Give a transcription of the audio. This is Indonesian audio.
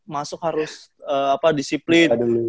masuk harus apa disiplin